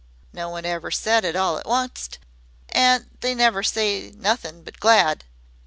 No one never said it all at onct they don't never say nothin' but Glad.